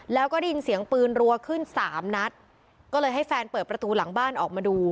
แล้วก็ได้ยินเสียงปืนรัวขึ้นสามนัดก็เลยให้แฟนเปิดประตูหลังบ้านออกมาดู